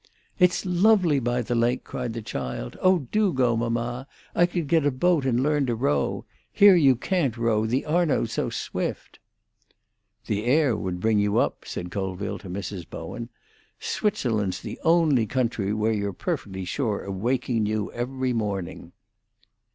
"It's lovely by the lake!" cried the child. "Oh, do go, mamma! I could get a boat and learn to row. Here you can't row, the Arno's so swift." "The air would bring you up," said Colville to Mrs. Bowen. "Switzerland's the only country where you're perfectly sure of waking new every morning."